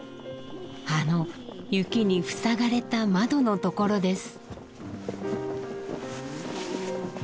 あの雪に塞がれた窓のところです。